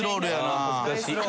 ああ恥ずかしい。